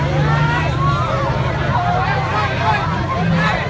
ก็ไม่มีเวลาให้กลับมาเท่าไหร่